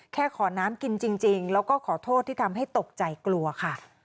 ขอน้ำกินจริงแล้วก็ขอโทษที่ทำให้ตกใจกลัวค่ะ